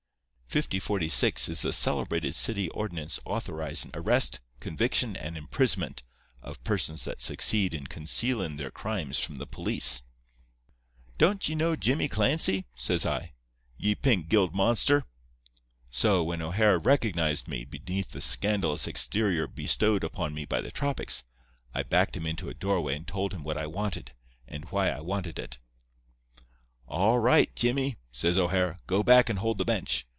"Fifty forty six is the celebrated city ordinance authorizin' arrest, conviction and imprisonment of persons that succeed in concealin' their crimes from the police. "'Don't ye know Jimmy Clancy?' says I. 'Ye pink gilled monster.' So, when O'Hara recognized me beneath the scandalous exterior bestowed upon me by the tropics, I backed him into a doorway and told him what I wanted, and why I wanted it. 'All right, Jimmy,' says O'Hara. 'Go back and hold the bench.